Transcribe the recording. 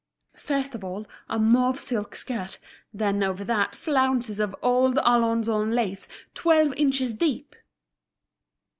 "First of all, a mauve silk skirt, then over that flounces of old Alençon lace, twelve inches deep."